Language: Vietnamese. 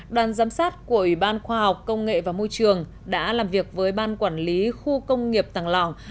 đoàn giám sát của ủy ban khoa học công nghệ và môi trường đã làm việc với ban quản lý khu công nghiệp tàng lào